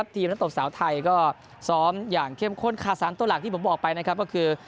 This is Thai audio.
ทีมนักศัพท์สาวไทยก็ซ้อมอย่างเข้มข้นค่าสารตัวหลักที่ผมบอกไปก็คือ